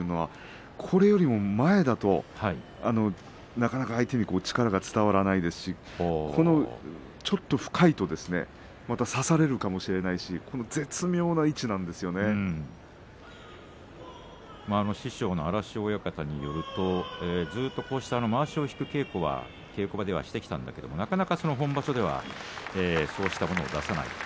これよりも前だとなかなか相手に力が伝わらないですしちょっと深いと差されるかもしれない師匠の荒汐親方によるとずっとまわしを引く稽古を稽古場ではしてきたけれどなかなか本場所ではそうしたものを出せない。